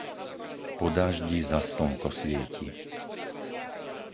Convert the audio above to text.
Po daždi zas slnko svieti.